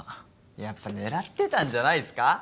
やっぱ狙ってたんじゃないっすか？